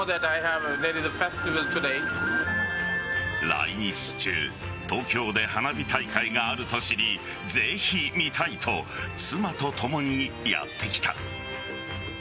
来日中東京で花火大会があると知りぜひ見たいと妻とともにやってきた。